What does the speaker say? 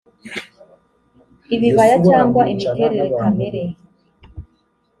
ibibaya cyangwa imiterere kamere